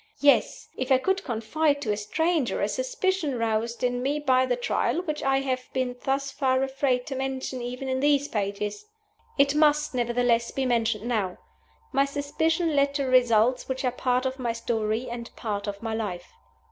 Yes! if I could confide to a stranger a suspicion roused in me by the Trial which I have been thus far afraid to mention even in these pages! It must, nevertheless, be mentioned now. My suspicion led to results which are part of my story and part of my life.